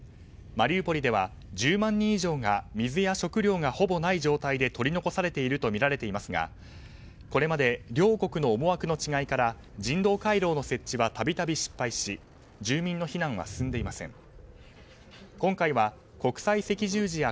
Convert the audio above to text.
マリウポリでは１０万人以上が水や食料がほぼない状態で取り残されているとみられていますがこれまで両国の思惑の違いから人道回廊の設置は度々失敗し住民の避難は進んでいません。